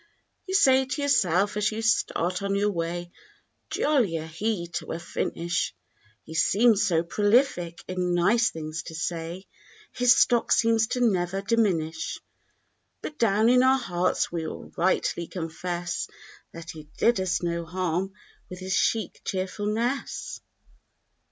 You say to yourself as you start on your way— "Jollier, he, to a finish!" He seems so prolific in nice things to say; His stock seems to never diminish. But down in our hearts we will rightly confess That he did us no harm with his chic cheerfulness.